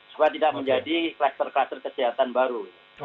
supaya tidak menjadi kluster kluster kesehatan baru